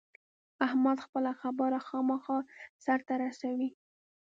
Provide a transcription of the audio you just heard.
احمد خپله خبره خامخا سر ته رسوي.